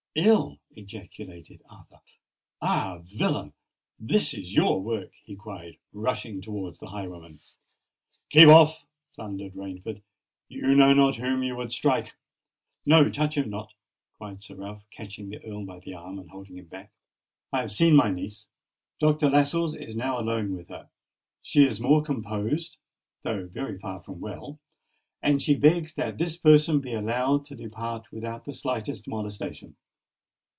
"Ill!" ejaculated Arthur. "Ah! villain—this is your work!" he cried, rushing towards the highwayman. "Keep off!" thundered Rainford: "you know not whom you would strike!" "No—touch him not!" cried Sir Ralph, catching the Earl by the arm, and holding him back. "I have seen my niece—Dr. Lascelles is now alone with her: she is more composed—though very far from well;—and she begs that this person may be allowed to depart without the slightest molestation."